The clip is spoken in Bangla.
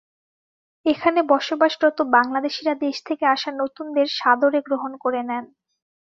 এখানে বসবাসরত বাংলাদেশিরা দেশ থেকে আসা নতুনদের সাদরে গ্রহণ করে নেন।